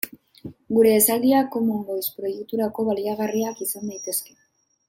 Gure esaldiak Common Voice proiekturako baliagarriak izan daitezke.